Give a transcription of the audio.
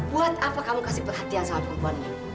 buat apa kamu kasih perhatian sama perempuan ini